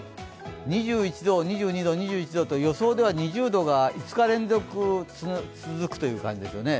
２１度、２２度、２１度、予想では２０度が５日連続続くという感じですよね。